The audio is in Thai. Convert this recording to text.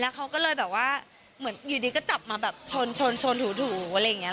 เขาก็เลยแบบว่าเหมือนอยู่ดีก็จับมาแบบชนถูอะไรอย่างนี้